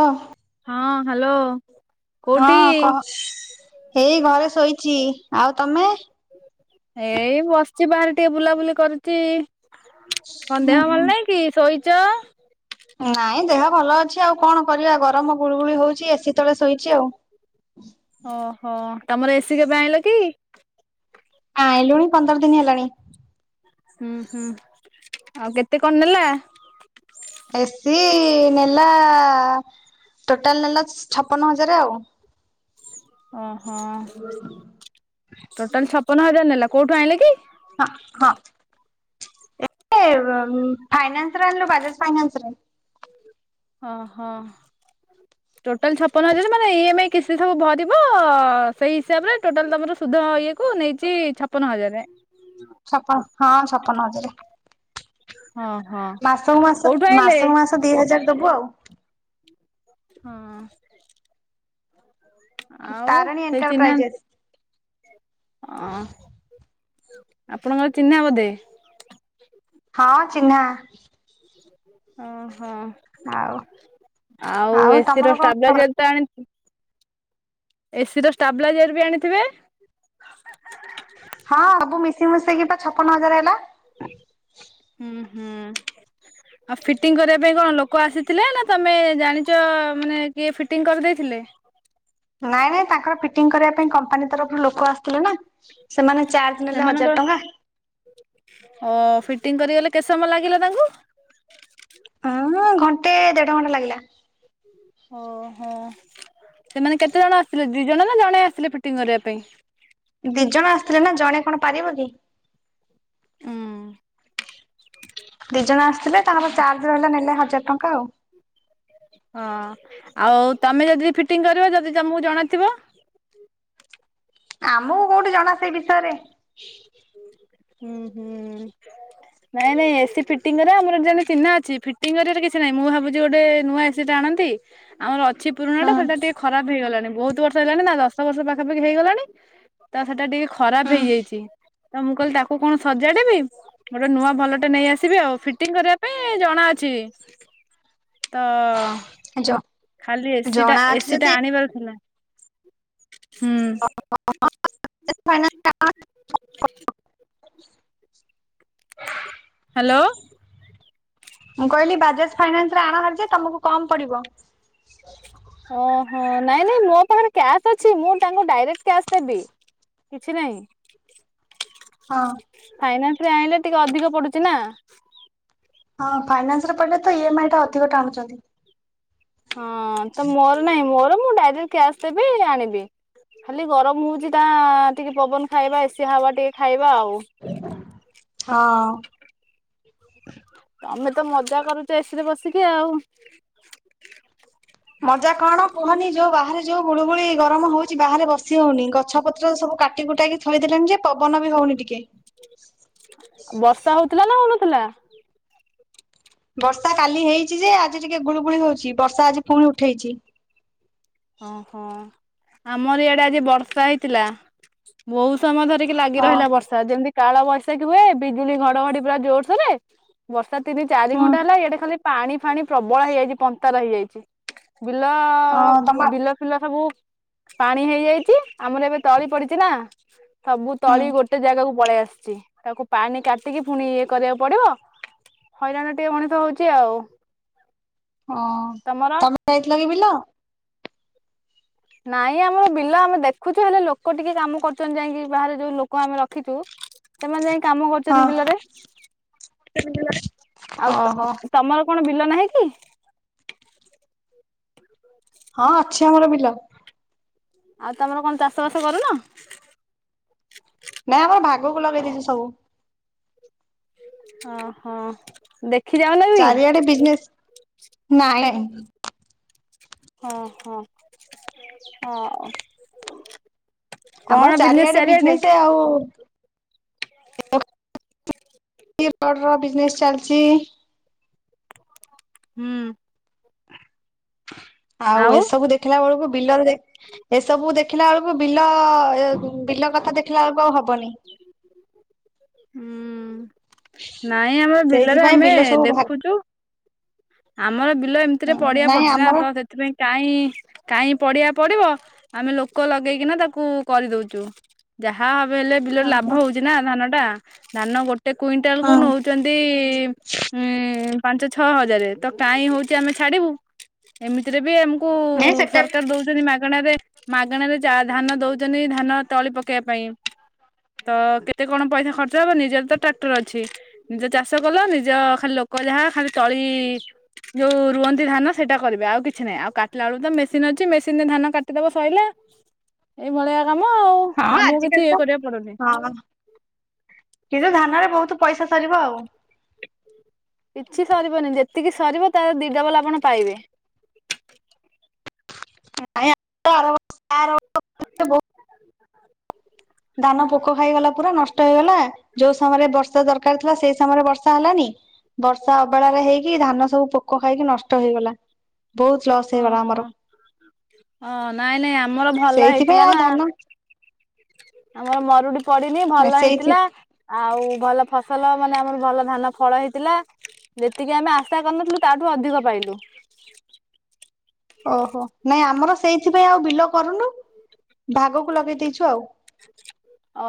ଅ ହଁ ହ୍ୟାଲୋ କୋଉଠି? ହେଇ ଘରେ ଶୋଇଛି ଆଉ ତମେ? ଏଇଁ ବସିଛି ବାହାରେ ଟିକେ ବୁଲାବୁଲି କରିୁଚି କଣ ହୁଁ ଦେହ ହୁଁ। ଭଲ ନାଇଁ କି ଶୋଇଛ? ନାଇଁ ଦେହ ଭଲ ଅଛି ଆଉ କଣ କରିବା ଗରମ ଗୁଳୁ ଗୁଳି ହଉଛି ଏସିି ତଳେ ଶୋଇଛି ଆଉ ଓହୋ ତମର ଏସି କେବେ ଆଣିଲ କି? ଆଇଁଲୁଣି ପନ୍ଦର ଦିନ ହେଲାଣି। ହୁଁ ହୁଁ ଆଉ କେତେ କଣ ନେଲା? ଏସିି ନେଲା ଟୋଟାଲ ନେଲା ଛପନ ହଜାର ଆଉ ଓହୋ ଟୋଟାଲ ଛପନ ହଜାର ନେଲା କୋଉଠୁ ଆଣିଲେ କି? ହଁ। ଏ--ଫାଇନାନ୍ସ ରେ ଆଣିଲୁ ବାଜାଜ ଫାଇନାନ୍ସରେ। ଓ ହୋ ଟୋଟାଲ ଛପନ ହଜାର ମାନେ ଇ ଏମ୍ ଆଇ କିସ୍ତି ସବୁ ଭରିବ ସେଇ ହିସାବରେ ଟୋଟାଲ ତମର ସୁଧ ଇଏ କୁ ନେଇଚି ଛପନ ହଜାର। ଛପ ହଁ ଛପନହଜାରେ। ହଁ ହଁ। ମାସକୁ ମାସ କୋଉଠୁ ଆଣିଲେ ମାସକୁ ମାସ ଦି ହଜାର ଦବୁ ଆଉ। ହଁ ଆଉ ତାରିଣୀ ସେଇ ଚିହ୍ନା ଏଣ୍ଟରପ୍ରାଇଜେସ୍। ହ। ଆପଣଙ୍କର ଚିହ୍ନା ବୋଧେ। ହଁ ଚିହ୍ନା। ଓଃ ହୋ ଆଉ ଆଉ ଏସି ତମର ର କଣ ଖବର? ଷ୍ଟାବିଲାଇଜରଟା ଆଣି ଏସିିର ଷ୍ଟାବିଲାଇଜର ବି ଆଣିଥିବେ। ହଁ ସବୁ ମିଶି ମୂଷା କି ବା ଛପନ ହଜାର ହେଲା। ହୁଁ ହୁଁ ଆଉ ଫିଟିଂ କରିବା ପାଇଁ କଣ ଲୋକ ଆସିଥିଲେ ନା ତମେ ଜାଣିଛ ମାନେ କିଏ ଫିଟିଂ କରିଦେଇଥିଲେ। ନାଇଁ ନାଇଁ ତାଙ୍କର ଫିଟିଙ୍ଗ କରିବା ପାଇଁ କମ୍ପାନୀ ତରଫରୁ ଲୋକ ଆସିଥିଲେ ନା। ସେମାନେ ଚାର୍ଜ ନେଲେ ସେମାନଙ୍କର ହଜାର ଟଙ୍କା। ଓ ଫିଟିଙ୍ଗ କରିଗଲେ କେତେ ସମୟ ଲାଗିଲା ତାଙ୍କୁ? ହୁଁ ଘଣ୍ଟେ ଦେଢ ଘଣ୍ଟା ଲାଗିଲା। ଓଃ ହୋ ସେମାନେ କେତେ ଜଣ ଆସିଲେ ଦି ଜଣ ନା ଜଣେ ଆସିଲେ ଫିଟିଂ କରିବା ପାଇଁ। ଦି ଜଣ ଆସିଥିଲେ ନା ଜଣେ କଣ ପାରିବ କି। ଉଁ ଦି ଜଣ ଆସିଥିଲେ ତାଙ୍କର ଚାର୍ଜ ରହିଲା ନେଲେ ହଜାର ଟଙ୍କା ଆଉ। ହଁ ଆଉ ତମେ ଯଦି ଫିଟିଙ୍ଗ କରିବ ଯଦି ତମକୁ ଜଣାଥିବ। ଆମକୁ କୋଉଠି ଜଣା ସେଇ ବିଷୟରେ। ହୁଁ ହୁଁ। ନାଇଁ ନାଇଁ ଏସି ଫିଟିଂ କରିବା ଆମର ଜଣେ ଚିହ୍ନା ଅଛି ଫିଟିଙ୍ଗ କରିବାର କିଛି ନାହିଁ ମୁଁ ଭାବୁଛି ଗୋଟେ ନୂଆ ଏସି। ସେ ଜାଣନ୍ତି ଆମର ଅଛି। ପୁରୁଣା ଟା ହୁଁ ସେଟା ଟିକେ ଖରାପ ହେଇଗଲାଣି ବହୁତ ବର୍ଷ ହେଇଲାଣି ନା ଦଶ ବର୍ଷ ପାଖାପାଖି ହେଇଗଲାଣି ତ ସେଟା ଟିକେ। ଖରାପ ହୁଁ ହେଇଯାଇଛି ତ ମୁଁ କହିଲି ତାକୁ କଣ ସଜାଡିବି। ଗୋଟେ ନୂଆ ଭଲଟେ ନେଇ ଆସିବି ଆଉ ଫିଟିଙ୍ଗ କରିବା ପାଇଁ ଜଣା ଅଛି। ତ। ଖାଇଛ। ଖାଲି ଏସି ଟା ଏସି ଟା ଆଣିବାର ଥିଲା। ହୁଁ। [unintelligible] ହ୍ୟାଲୋ। ମୁଁ କହିଲି ବାଜାଜ ଫାଇନାନ୍ସରେ ଆଣ ହେରି ଯେ ତମକୁ କମ ପଡିବ। ଓଃ ହୋ ନାଇଁ ନାଇଁ ମୋ ପାଖରେ କ୍ୟାସ୍ ଅଛି ମୁଁ ତାଙ୍କୁ ଡାଇରେକ୍ଟ କ୍ୟାସ୍ ଦେବି। କିଛି ନାହିଁ। ହଁ। ଫାଇନାନ୍ସ ରେ ଆଣିଲେ ଟିକେ ଅଧିକ ପଡୁଛି ନା। ହଁ ଫାଇନାନ୍ସ ରେ ପଡ଼ିଲେ ତ ଇ ଏମ୍ ଆଇ ଟା ଅଧିକ ଟାଣୁଛନ୍ତି। ହଁ ତ ମୋର ନାହିଁ ମୋର ମୁଁ ଡାଇରେକ୍ଟ କ୍ୟାସ୍ ଦେବି ଆଣିବି। ଖାଲି ଗରମ ହଉଛି ତା ଟିକେ ପବନ ଖାଇବା ଏସିି ହାୱା ଟିକେ ଖାଇବା ଆଉ। ହଁ। ତମେ ତ ମଜା କରୁଛ ଏସିରେ ବସିକି ଆଉ। ମଜା କଣ କୁହନି, ଯୋଉ ବାହାରେ ଯୋଉ ଗୁଳୁଗୁଳି ଗରମ ହଉଛିି ବାହାରେ ବସି ବସି ହଉନି। ଗଛ ପତ୍ର ସବୁ କାଟି କୁଟାକି ଥୋଇଦେଲେଣି ଯେ, ପବନ ବି ହଉନି ଟିକେ। ବର୍ଷା ହଉଥିଲା ନା ହଉନଥିଲା? ବର୍ଷା କାଲି ହେଇଛି ଯେ ଆଜି ଟିକେ ଗୁଳୁଗୁଳି ହଉଛି, ବର୍ଷା ଆଜି ଫୁଣି ଉଠେଇଛି। ହଁ, ହଁ। ଆମର ଇଆଡେ ଆଜି ବର୍ଷା ହେଇଥିଲା। ବହୁ ସମୟ ଧରି ଠିକ୍ ଲାଗି ହଁ ରହିଲା ବର୍ଷା। ଯେମିତି କାଳ ବୈଶାଖୀ ହୁଏ, ବିଜୁଳି ଘଡଘଡି ପୁରା ଜୋରସୋରରେ ବର୍ଷା ତିନି ଚାରି ହୁଁ ଘଣ୍ଟା ହେଲା, ଇଆଡେ ଖାଲି ପାଣି ଫାଣି ପ୍ରବଳ ହେଇଯାଇଛି, ପନ୍ତର ହେଇଯାଇଛି। ବିଲ, ଅ ତମ ବିଲ ଫିଲ ସବୁ ପାଣି ହେଇଯାଇଛି, ଆମର ଏବେ ତଳି ପଡିଚି ନା ସବୁ ହୁଁ ତଳି ଗୋଟେ ଜାଗାକୁ ପଳେଇ ଆସିଚି। ତାକୁ ପାଣି କାଟିକି, ପୁଣି ଇଏ କରିବାକୁ ପଡିବ ହଇରାଣ ଟିକେ ମଣିଷ ହଉଛି ଆଉ। ହଁ, ତମର ତମେ ଯାଇଥିଲ କି ବିଲ? ନାଇଁ, ଆମର ବିଲ ଆମେ ଦେଖୁଛୁ, ହେଲେ ଲୋକ ଟିକେ କାମ କରୁଛନ୍ତି ଯାଇଁକି ବାହାରେ ଯୋଉ ଲୋକ ଆମେ ରଖିଛୁ ସେମାନେ ଯାଇ କାମ କରୁଛନ୍ତି ହଁ ବିଲରେ, ଆଉ ଓହୋ ସା ତମର କଣ ବିଲ ନାହିଁ କି? ହଁ, ଅଛି ଆମର ବିଲ। ଆଉ ତମର କଣ ଚାଷ ବାସ କରୁନ? ନାଇଁ, ଆମର ଭାଗକୁ ଲଗେଇ ଦେଇଛୁ ସବୁ। ଓହୋ। ଦେଖି ଯାଉନା ବି? ବିଜନେସ୍ ନାଇଁ ହଁ, ହଁ। ହଁ ଆମର ଚାରିଆଡେ ବିଜନେସ୍ ଆଉ ଏଇ ରଡର ବିଜନେସ ଚାଲିଚି ହୁଁ। ଆଉ ଏସବୁ ଦେଖିଲା ବେଳକୁ, ବିଲରେ ଦେଖ, ଏସବୁ ଦେଖ ଦେଖିଲା ବେଳକୁ ବିଲ, ଅ ବିଲ କଥା ଦେଖିଲା ବେଳକୁ ଆଉ ହବନି। ହୁଁ। ନାଇଁ, ଆମର ବିଲରେ ସେଇଥିପାଇଁ ଆମେ ବିଲ ସବୁ ଭାଗ ଦେଖୁଚୁ ଆମର ବିଲ ଏମତିରେ ହୁଁ ପଡିଆ ନାଇଁ ପଡିଛି ନା, ଆମର ତ ସେଥିପାଇଁ କାହିଁ କାହିଁ ପଡିଆ ପଡିବ, ଆମେ ଲୋକ ଲଗେଇକିନା ତାକୁ କରିଦଉଚୁ। ଯାହା ହବେ ହେଲେ ବିଲରେ ଲାଭ ଓହୋ ହଉଛି ନା, ଧାନଟା। ଧାନ ଗୋଟ ଗୋଟେ କୁଇଣ୍ଟାଲକୁ ହଁ ନଉଚନ୍ତି, ଉମ୍ ପାଞ୍ଚ ଛଅ ହଜାରେ। ତ କାହିଁ ହଉଛି ଆମେ ଛାଡିବୁ, ଏମିତିରେ ବି ଆମକୁ ନାଇଁ ସେଟା ସରକାର ଦଉଚନ୍ତି ମାଗ ମାଗଣରେ, ମାଗଣାରେ ଚା ଧାନ ଦଉଛନ୍ତି, ଧାନ ତଳି ପକେଇବା ପାଇଁ ତ କେତେ କଣ ପଇସା ଖର୍ଚ୍ଚ ହବନି, ନିଜର ତ ଟ୍ରାକ୍ଟର ଅଛି। ନିଜ ଚାଷ କଲ, ନିଜ ଖାଲି ଲୋକ ଯାହା ଖାଲି ତଳି ଯୋଉ ରୁଅଁନ୍ତି ଧାନ ସେଇଟା କରିବେ ଆଉ କିଛି ନାହିଁ ଆଉ କାଟିଲା ବେଳକୁ ତ ମେସିନ ଅଛି, ମେସିନରେ ଧାନ କାଟିଦବ ସଇଲା ଏଇଭଳିଆ କାମ ଆଉ। ହଁ, ଆମକୁ କିଛି ଆଜିକାଲି ଇଏ ତ କରିବାକୁ ପଡୁନି। ହଁ ନିଜ ଧାନରେ ବହୁତ ପଇସା ସରିବ ଆଉ। କିଛି ସରିବନି, ଯେତିକି ସରିବ ତାର ଦି ଡବଲ ଆପଣ ପାଇବେ। ଆଜ୍ଞା। ବହୁତ ଧାନ ପୋକ ଖାଇଗଲା ପୁରା, ନଷ୍ଟ ହେଇଗଲା ଯୋଉ ସମୟରେ ବର୍ଷା ଦରକାର ଥିଲା, ସେଇ ସମୟରେ ବର୍ଷା ହେଲାନି ବର୍ଷା ଅବେଳାରେ ହେଇକି, ଧାନ ସବୁ ପୋକ ଖାଇକି, ନଷ୍ଟ ହେଇଗଲା। ବହୁତ ଲସ୍ ହେଇଗଲା ଓହୋ। ଆମର। ହଁ ନାଇଁ ନାଇଁ ଆମର ଭଲ ସେଇଥିପାଇଁ ହେଇଥିଲା ଆଉ ନା। ଧାନ ଆମର ମରୁଡି ପଡିିନି ଭଲ ସେଇଥି ହେଇଥିଲା। ଆଉ ଭଲ ଫସଲ ମାନେ ଆମର ଭଲ ଧାନ ଫଳ ହେଇଥିଲା। ଯେତିକି ଆମେ ଆଶା କରିନଥିଲୁ ତାଠୁ ଅଧିକ ପାଇଲୁ। ଓହୋ। ନାଇଁ ଆମର ସେଇଥିପାଇଁ ଆଉ ବିଲ କରୁନୁ। ଭାଗକୁ ଲଗେଇ ଦେଇଚୁ ଆଉ।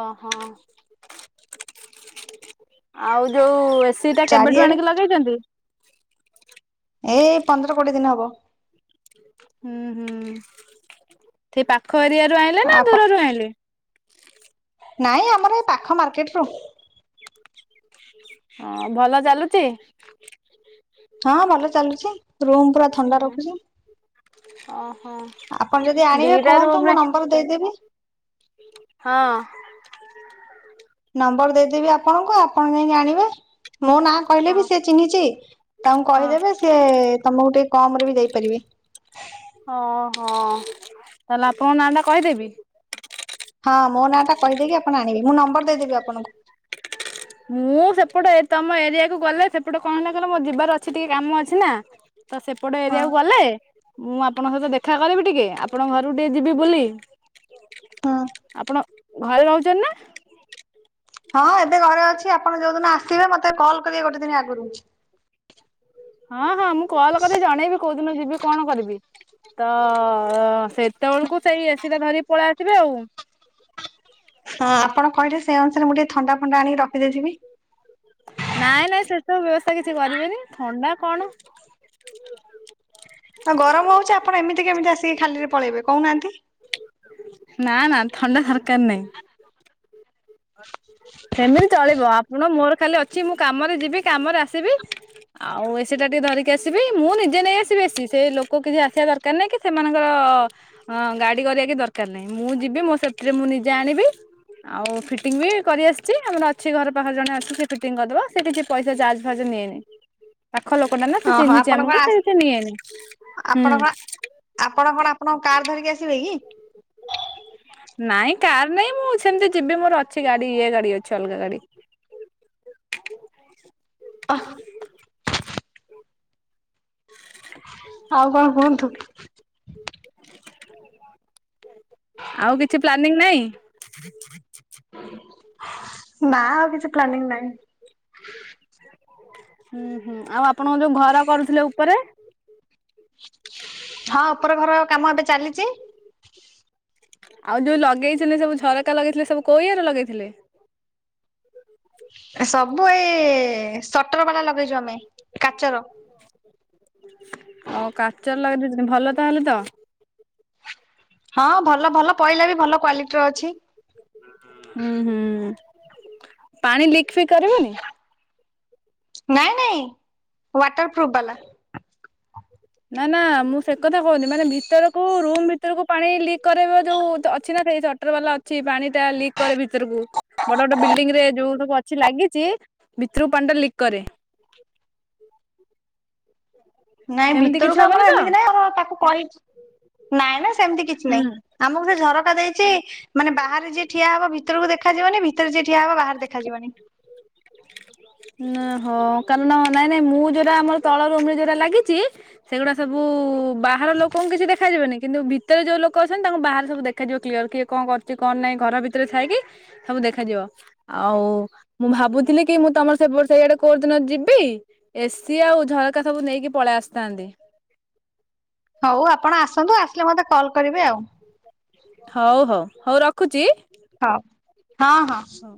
ଅ ହଁ। ଆଉ ଯୋଉ ଏସ୍ [unintelligible] କେବେଠୁ ଚାରିଆଡେ ଆଣିକି ଲଗେଇଛନ୍ତି? ଏ ପନ୍ଦର କୋଡିଏ ଦିନ ହବ। ହୁଁ ହୁଁ। ସେଇ ପାଖ ଏରିଆରୁ ଆଣିଲେ ନା ଆପ ଦୂରରୁ ଆଣିଲେ? ନାଇଁ ଆମର ଏ ପାଖ ମାର୍କେଟରୁୁ। ହଁ। ଭଲ ଚାଲୁଚି? ହଁ ଭଲ ଚାଲୁଚି। ରୁମ୍ ପୁରା ଥଣ୍ଡା ରଖୁଚି। ଓହୋ। ଆପଣ ଯଦି ଆଣିବେ ଦିଟା କୁହନ୍ତୁ ମୁଁ ରୁମରେ ନମ୍ବର ଦେଇଦେବି। ହଁ। ନମ୍ବର ଦେଇଦେବି ଆପଣଙ୍କୁ ଆପଣ ଯାଇଁକି ଆଣିବେ। ମୋ ନାଁ କହିଲେ ହଁ ବି ସେ ଚିହ୍ନିଚି। ତାଙ୍କୁ ହଁ। କହିଦେବେ ସିଏ ତମକୁ ଟିକେ କମ୍ ରେ ବି ଦେଇପାରିବେ। ହଁ ହଁ। ତାହେଲେ ଆପଣଙ୍କ ନାଁ ଟା କହିଦେବି? ହଁ ମୋ ନାଁ ଟା କହିଦେଇକି ଆପଣ ଆଣିବେ। ମୁଁ ନମ୍ବର ଦେଇଦେବି ଆପଣଙ୍କୁ। ମୁଁ ସେପଟେ ତମ ଏରିଆକୁ ଗଲେ ସେପଟେ କଣ ହେଲା କହିଲ ମୋର ଯିବାର ଅଛି ଟିକେ କାମ ଅଛି ନା। ତ ସେ ପଟ ହଁ ଏରିଆକୁ ଗଲେ ମୁଁ ଆପଣଙ୍କ ସହିତ ଦେଖା କରିବି ଟିକେ। ଆପଣଙ୍କ ଘରକୁ ଟିକେ ଯିବି ବୁଲି। ହଁ ଆପଣ ଘରେ ରହୁଛନ୍ତି ନା? ହଁ ଏବେ ଘରେ ଅଛି। ଆପଣ ଯୋଉ ଦିନ ଆସିବେ ମତେ କଲ୍ କରିବେ ଗୋଟେ ଦିନି ଆଗରୁ। ହଁ ହଁ ମୁଁ କଲ୍ କରିିକି ଜଣେଇବି କୋଉଦିନ ଯିବି କଣ କରିବି। ତ ସେତେବେଳକୁ ସେଇ ଏସି ଟା ଧରିକି ପଳେଇ ଆସିବି ଆଉ। ହଁ ଆପଣ କହିଲେ ସେଇ ଅନୁସାରେ ମୁଁ ଟିକେ ଥଣ୍ଡା ଫଣ୍ଡା ଆଣିକି ରଖିଦେଇଥିବି। ନାଇଁ ନାଇଁ ସେ ସବୁ ବ୍ୟବସ୍ଥା କିଛି କରିବେନି। ଥଣ୍ଡା କଣ ଆ ଗରମ ହଉଚି ଆପଣ ଏମିତି କେମିତି ଆସିକି ଖାଲିରେ ପଳେଇବେ କହୁନାହାନ୍ତି। ନା ନା ଥଣ୍ଡା ଦରକାର ନାହିଁ। ସେମିତି ଚଳିବ। ଆପଣ ମୋର ଖାଲି ଅଛି ମୁଁ କାମରେ ଯିବି କାମରେ ଆସିବି। ଆଉ ଏସି ଟା ଟିକେ ଧରିକି ଆସିବି। ମୁଁ ନିଜେ ନେଇ ଆସିବି ଏସି। ସେ ଲୋକ କିଛି ଆସିବା ଦର୍ କାର୍ ନାହିଁ କି ସେମାନଙ୍କର ଅ ଗାଡି କରିବା କିଛି ଦର କାର ନାଇଁ। ମୁଁ ଯିବି ମୋ ସେଫ୍ଟି ରେ ମୁଁ ନିଜେ ଆଣିବି। ଆଉ ଫିଟିଙ୍ଗ ବି କରିଆସିଚି। ଆମର ଅଛି ଘର ପାଖରେ ଜଣେ ଅଛି ସେ ଫିଟିଙ୍ଗ କରିଦବ। ସେ କିଛି ପଇସା ଚାର୍ଜ ଫାର୍ଜ ନିଏନି। ପାଖ ଲୋକଟା ନା ସେ ଓହୋ ଚିହ୍ନିଚି ଆପଣ କଣ ଆମକୁ ଆସ ସେ କିଛି ନିଏନି। ଆପଣ କଣ ହୁଁ। ଆପଣ କଣ ଆପଣଙ୍କ କାର୍ ଧରିକି ଆସିବେ କି? ନାଇଁ କାର ନାଇଁ ମୁଁ ସେମିତି ଯିବି ମୋର ଅଛି ଗାଡି ଇଏ ଗାଡି ଅଛି ଅଲଗା ଗାଡି। [unintelligible] ହୁଁ ଆଉ କଣ କୁହନ୍ତୁ? ଆଉ କିଛି ପ୍ଲାନିଂ ନାହିଁ? ହ ନା ଆଉ କିଛି ପ୍ଲାନିଂ ନାହିଁ। ଉଁ ହୁଁ। ଆଉ ଆପଣଙ୍କ ଯୋଉ ଘର କରୁଥିଲେ ଉପରେ? ହଁ ଉପର ଘର କାମ ଏବେ ଚାଲିଚି। ଆଉ ଯଉ ଲଗେଇଥିଲେ ସବୁ ଝରକା ଲଗେଇଥିଲେ ସବୁ କୋଉ ଇଏ ର ଲଗେଇଥିଲେ? ହ ସବୁ ଏ ସଟର ବାଲା ଲଗେଇଚୁ ଆମେ କାଚର। ଓ କାଚର ଲଗେଇଦେଇଛନ୍ତି। ଭଲ ତାହେଲେ ତ? ହଁ ଭଲ ଭଲ ପଇଲା ବି, ଭଲ କ୍ୱାଲିଟିର ଅଛି। ହୁଁ ହୁଁ ପାଣି ଲିକ୍ ଫିକ୍ କରିବନି? ନାଇଁ ନାଇଁ ୱାଟର୍ ପ୍ରୁଫ୍ ବାଲା। ନାଁ ନାଁ ମୁଁ ସେ କଥା କୋହୁନି ମାନେ ଭିତରକୁ ରୁମ୍ ଭିତରକୁ ପାଣି ଲିକ କରାଇବ ଯୋଉ ଅଛି ନା ସେଇ ଟର୍ ବାଲା ଅଛି ପାଣି ଟା ଲିକ୍ କରେ ଭିତରୁକୁ। ବଡ ବଡ ବିଲ୍ଡିଂ ରେ ଯୋଉ ଅଛି ଲାଗିଛି ଭିତରୁ ପାଣିଟା ଲିକ୍ କରେ। ନାଇଁ ସେମିତି କିଛି ଭିତରକୁ ହବନି ଆମର ତ? ଏମିତି ନାଇଁ ଆମର ତାକୁ କହି ନାଇଁ ନାଁ ସେମିତି କିଛି ହୁଁ। ନାଇଁ। ଆମକୁ ସେ ଝରକା ଦେଇଚି ମାନେ ବାହାରେ ଯିଏ ଠିଆ ହବ ଭିତରକୁ ଦେଖାଯିବନି ଭିତରେ ଯିଏ ଠିଆ ହେବ ବାହାର ଦେଖାଯିବନି। ନା ହଁ କାରଣ ନାଇଁ ନାଇଁ ମୁଁ ଯୋଉଟା ଆମର ତଳ ରୁମରେଯୋଉଟା ଲାଗିଚି ସେଗୁଡା ସବୁ ବାହାର ଲୋକଙ୍କୁ କିଛି ଦେଖାଯିବନି କିନ୍ତୁ ଭି ଭିତରେ ଯୋଉ ଲୋକ ଅଛନ୍ତି ତାଙ୍କୁ ବାହାରେ ସବୁ ଦେଖାଯିବ କ୍ଲିୟର କିଏ କଁ କରୁଚି କଣ ନାଁଇ ଘର ଭିତରେ ଥାଇକି। ସବୁ ଦେଖାଯିବ ଆଉ ମୁଁ ଭାବୁଥିଲି କି ମୁଁ ତମର ସେ ବର୍ ସେଇଆଡେ କୋଉ ଦିନ ଯିବି। ଏସି ଆଉ ଝରକା ସବୁ ନେଇକି ପଳେଇ ଆସିଥାନ୍ତି। ହୋଉ ଆପଣ ଆସନ୍ତୁ ଆସିଲେ ମତେ କଲ୍ କରିବେ ଆଉ। ହୋଉ ହୋଉ ହୋଉ ରଖୁଚି। ହଁ ହଁ ହଁ। ହଁ।